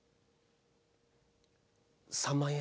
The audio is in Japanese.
３万円。